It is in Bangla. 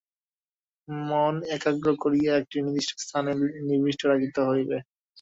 মন একাগ্র করিয়া একটি নির্দিষ্ট স্থানে নিবিষ্ট রাখিতে হইবে।